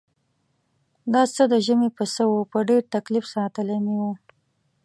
دا څه د ژمي پسه و په ډېر تکلیف ساتلی مې و.